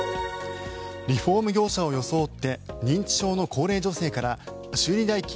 リフォーム業者を装って認知症の高齢女性から修理代金